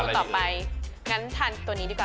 เอาล่ะเดินทางมาถึงในช่วงไฮไลท์ของตลอดกินในวันนี้แล้วนะครับ